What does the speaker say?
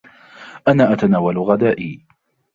أنا أتناول غدائي.